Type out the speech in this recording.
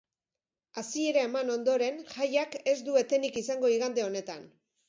Hasiera eman ondoren, jaiak ez du etenik izango igande honetan.